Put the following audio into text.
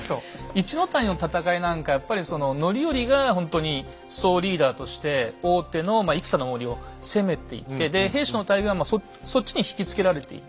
一の谷の戦いなんかやっぱりその範頼がほんとに総リーダーとして大手の生田の森を攻めていってで平氏の大軍はそっちに引きつけられている。